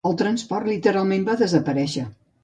El transport, literalment, va desaparèixer.